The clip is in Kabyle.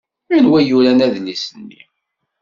Anwa i yuran adlis-nni?